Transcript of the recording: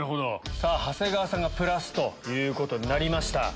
長谷川さんがプラスということになりました。